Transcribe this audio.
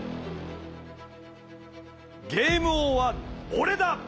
ゲーム王は俺だ！